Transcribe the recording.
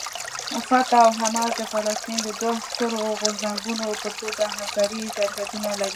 فتح او حماس د فلسطین د دوو سترو غورځنګونو په توګه همکارۍ ظرفیتونه لري.